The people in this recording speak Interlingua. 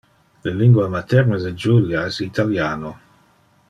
Le lingua materne de Julia es italiano.